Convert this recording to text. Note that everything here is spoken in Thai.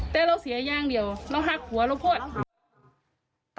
แต่เราเสียงปิงงั้นเรารักหัวเราโพส